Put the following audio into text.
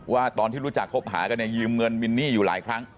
ว่าตอนที่รู้จักคบหากันเนี่ยยืมเงินมินนี่อยู่หลายครั้ง